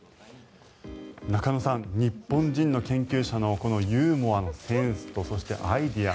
中野さん、日本人の研究者のユーモアのセンスとそして、アイデア。